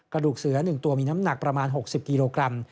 กระดูกเสือ๑ตัวมีน้ำหนักประมาณ๖๐กิโลกรัม